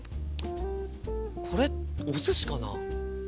これお寿司かな？